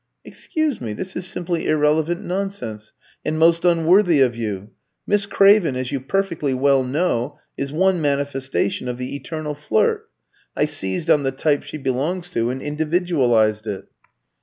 "Excuse me, this is simply irrelevant nonsense, and most unworthy of you. Miss Craven, as you perfectly well know, is one manifestation of the eternal flirt. I seized on the type she belongs to, and individualised it."